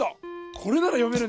これならよめるね。